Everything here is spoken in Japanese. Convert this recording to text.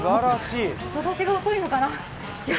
私が遅いのかな。